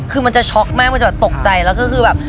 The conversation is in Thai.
คือมันจะช็อกมากมันจะตกใจแล้วก็คือแบบ